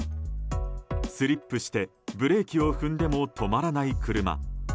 スリップしてブレーキを踏んでも止まらない車。